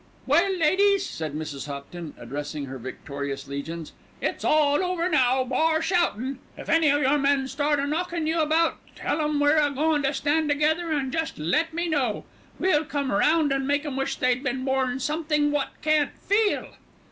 "Well, ladies," said Mrs. Hopton, addressing her victorious legions; "it's all over now, bar shoutin'. If any o' your men start a knockin' you about, tell 'em we're a goin' to stand together, and just let me know. We'll come round and make 'em wish they'd been born somethink wot can't feel."